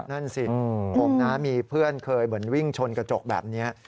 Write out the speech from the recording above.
นั่นสิผมนะมีเพื่อนเคยเหมือนวิ่งชนกระจกแบบนี้